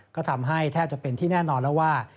ก็ทำให้แทบจะเป็นที่แน่นอนแล้วว่า